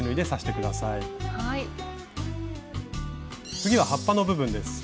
次は葉っぱの部分です。